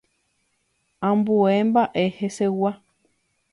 Ambue mba'e hesegua.